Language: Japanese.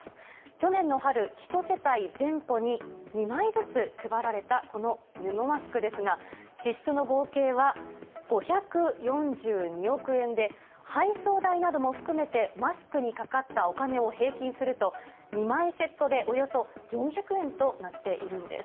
去年の春、１世帯全戸に２枚ずつ配られたこの布マスクですが、支出の合計は５４２億円で、配送代なども含めて、マスクにかかったお金を平均すると、２枚セットでおよそ４００円となっているんです。